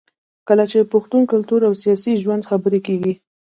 کله چې د پښتون کلتور او سياسي ژوند خبره کېږي